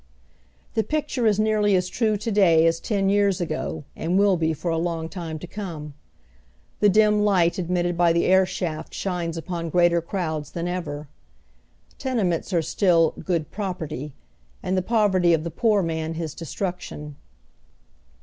The picture is nearly as true to day as ten years ago, and will be ,y Google THE AWAKENING. 19 tor a long time to come. Tlie dim light admitted by the air sliaft sliines upon greater crowds than ever. Tene ments are still "good property," and the poverty of the poor man his destruction.